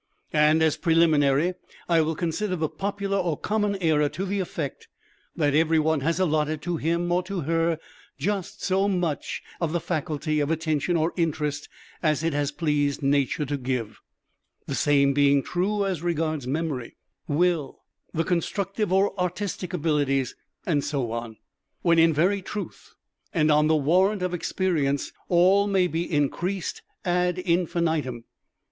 And as preliminary, I will consider the popular or common error to the effect that everyone has alloted to him or to her just so much of the faculty of attention or interest as it has pleased Nature to give the same being true as regards Memory, Will, the Constructive or Artistic abilities, and so on when in very truth and on the warrant of Experience all may be increased ad infinitum.